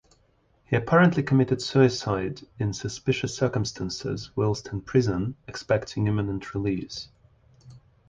He apparently committed suicide in suspicious circumstances whilst in prison expecting imminent release.